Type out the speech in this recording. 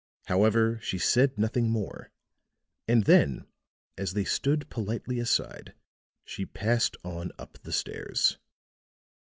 However, she said nothing more; and then as they stood politely aside, she passed on up the stairs.